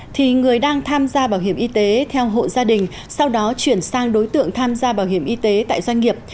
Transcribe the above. thì người đang tham gia bảo hiểm y tế theo hộ gia đình sau đó chuyển sang đối tượng tham gia bảo hiểm y tế tại doanh nghiệp